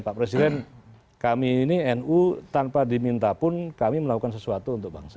pak presiden kami ini nu tanpa diminta pun kami melakukan sesuatu untuk bangsa